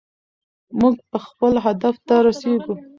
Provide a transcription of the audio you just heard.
موږ به خپل هدف ته رسېږو.